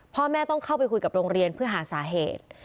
พ่อแม่ต้องเข้าไปคุยกับโรงเรียนเพื่อหาสาเหตุ